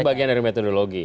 itu bagian dari metodologi